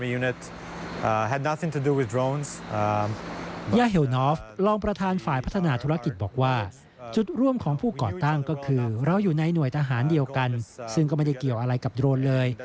ยาเฮลนอฟรองประธานฝ่ายพัฒนาธุรกิจบอกว่าจุดร่วมของผู้ก่อตั้งก็คือเราอยู่ในหน่วยทหารเดียวกันซึ่งก็ไม่ได้เกี่ยวอะไรกับโดรนเลย